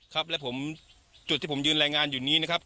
ครับและผมจุดที่ผมยืนรายงานอยู่นี้นะครับ